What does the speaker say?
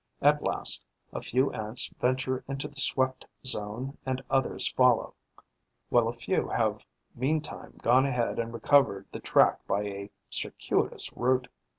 At last, a few Ants venture into the swept zone and others follow, while a few have meantime gone ahead and recovered the track by a circuitous route.